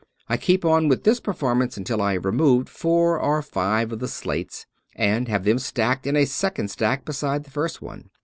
I keep on with this performance until I have removed four or five of the slates, and have them stacked in a second stack beside the first one.